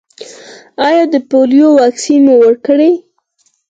ایا د پولیو واکسین مو ورکړی؟